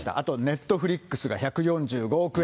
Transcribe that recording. あとネットフリックスが１４５億円。